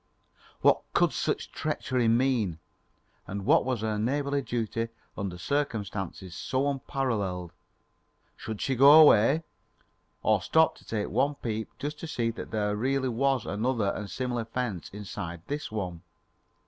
What could such treachery mean, and what was her neighbourly duty under circumstances so unparalleled? Should she go away, or stop and take one peep just to see that there really was another and similar fence inside of this one?